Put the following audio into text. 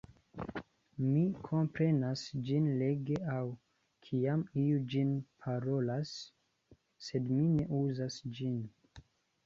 Mi komprenas ĝin lege aŭ kiam iu ĝin parolas, sed mi ne uzas ĝin.